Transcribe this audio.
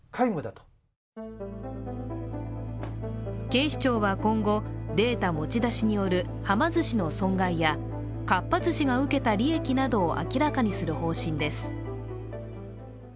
警視庁は今後、データ持ち出しによるはま寿司の損害やかっぱ寿司が受けた利益などを明らかにする方針です。